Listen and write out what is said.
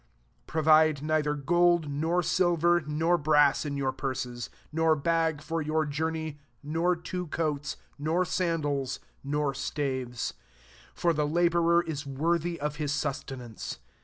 9 Provide neither gold, nor sil ver, nor brass in your purses ; 10 nor bag for your journey, nor two coats, noi: sandals, nor staves : for the labourer is wor thy of his sustenance.